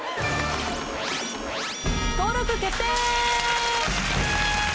登録決定！